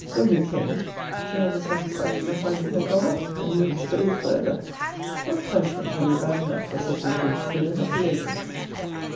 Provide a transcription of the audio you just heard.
When we came to have the satisfaction of finding her gone off, and me exposed for ever! What punishment can be bad enough for such a little villain of a lady?